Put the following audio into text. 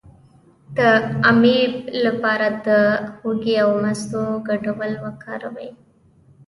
د امیب لپاره د هوږې او مستو ګډول وکاروئ